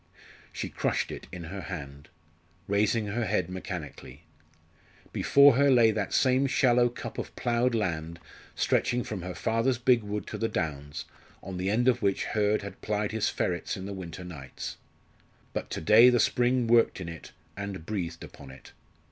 She crushed it in her hand, raising her head mechanically. Before her lay that same shallow cup of ploughed land stretching from her father's big wood to the downs, on the edge of which Hurd had plied his ferrets in the winter nights. But to day the spring worked in it, and breathed upon it.